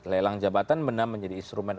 lelang jabatan benar menjadi instrumen